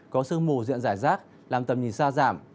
có sương mù diện rải rác làm tầm nhìn xa giảm